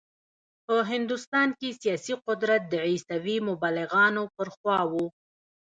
په هندوستان کې سیاسي قدرت د عیسوي مبلغانو پر خوا و.